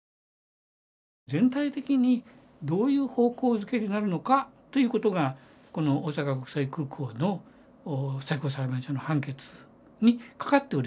全体的にどういう方向付けになるのかということがこの大阪国際空港の最高裁判所の判決に懸かっておりましたからね。